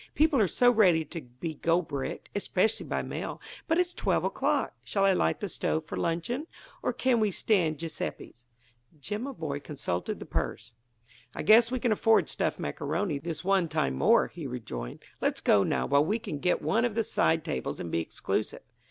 "People are so ready to be gold bricked especially by mail. But it's twelve o'clock! Shall I light the stove for luncheon? or can we stand Giuseppe's?" Jimaboy consulted the purse. "I guess we can afford stuffed macaroni, this one time more," he rejoined. "Let's go now, while we can get one of the side tables and be exclusive."